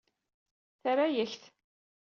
Terra-yak-t.